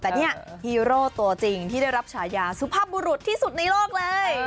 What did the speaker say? แต่เนี่ยฮีโร่ตัวจริงที่ได้รับฉายาสุภาพบุรุษที่สุดในโลกเลย